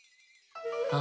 あ！